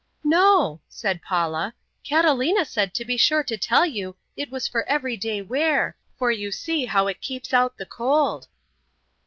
"No," said Paula, "Catalina said to be sure to tell you it was for everyday wear, for you see how it keeps out the cold."